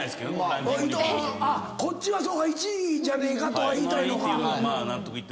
あっこっちは１位じゃねえかと言いたいのか。